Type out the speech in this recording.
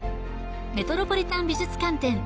メトロポリタン美術館展